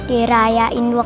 senyum aja susah